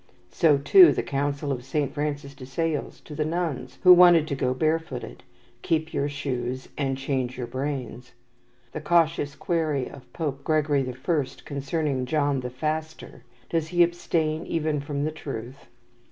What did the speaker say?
So, too, the counsel of Saint Francis de Sales to the nuns who wanted to go barefooted, "Keep your shoes and change your brains"; the cautious query of Pope Gregory the First, concerning John the Faster, "Does he abstain even from the truth?"